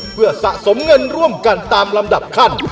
เพื่อสะสมเงินร่วมกันตามลำดับขั้น